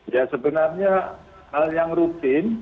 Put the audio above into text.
ya sebenarnya hal yang rutin